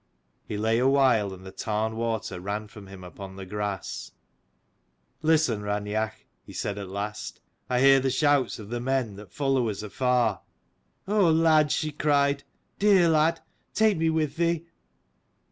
He lay awhile, and the tarn water ran from him upon the grass. "Listen, Raineach," he said at last: "I hear the shouts of the men that follow us afar." "O lad," she cried, "dear lad, take me with thee."